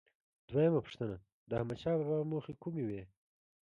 دویمه پوښتنه: د احمدشاه بابا موخې کومې وې؟